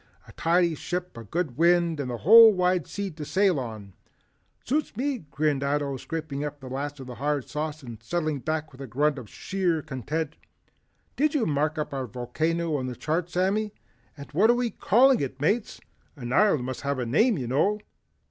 "A tidy ship, a good wind and the whole wide sea to sail on." "Suits me!" grinned Ato scraping up the last of the hard sauce and settling back with a grunt of sheer content. "Did you mark up our volcano on the chart Sammy, and what are we calling it Mates? An island must have a name you know."